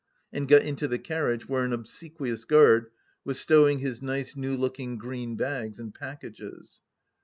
and got into the carriage, where an obsequious guard was stowing his nice new looking green bags and pack ages.